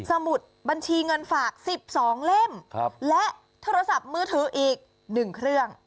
สมุดบัญชีเงินฝากสิบสองเล่มครับและโทรศัพท์มือถืออีกหนึ่งเครื่อง